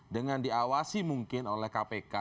dengan diawasi mungkin oleh kpk